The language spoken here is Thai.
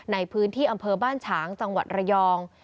ในพื้นที่อำเภอบ้านฉางจังหวัดระยอง